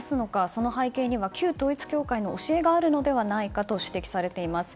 その背景には旧統一教会の教えがあるのではないかと指摘されています。